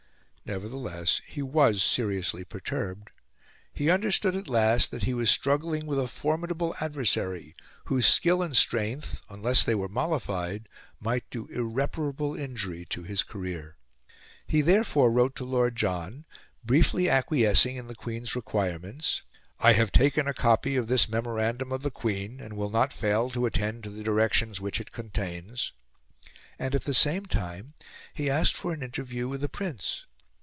Nevertheless, he was seriously perturbed. He understood at last that he was struggling with a formidable adversary, whose skill and strength, unless they were mollified, might do irreparable injury to his career. He therefore wrote to Lord John, briefly acquiescing in the Queen's requirements "I have taken a copy of this memorandum of the Queen and will not fail to attend to the directions which it contains" and at the same time, he asked for an interview with the Prince.